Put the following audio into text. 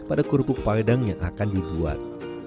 pada kerupuk padang yang akan dibuat